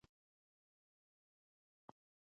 دوی به خجونه توپیر کړي وي.